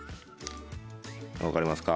分かりますか？